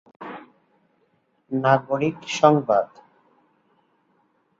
নাগরিক সংবাদ